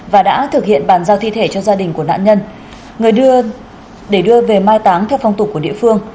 và đã thực hiện bàn giao thi thể cho gia đình của nạn nhân để đưa về mai táng theo phong tục của địa phương